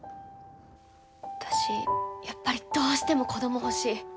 私、やっぱりどうしても子ども欲しい。